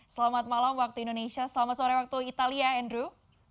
selamat malam waktu indonesia selamat sore waktu italia andrew